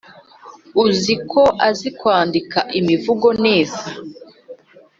uziko azi kwandika imivugo neza